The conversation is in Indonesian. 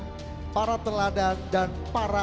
tuhan yesus kepada bapak kepala staf angkatan udara